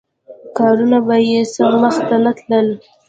کارونه به یې سم مخته نه تلل.